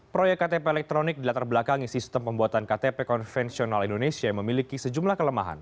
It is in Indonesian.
proyek ktp elektronik di latar belakang sistem pembuatan ktp konvensional indonesia memiliki sejumlah kelemahan